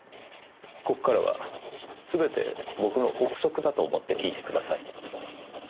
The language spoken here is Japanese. ここからは全て僕の憶測だと思って聞いてください。